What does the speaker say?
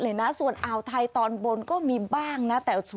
๑เมตร๕๐เซนติเมตร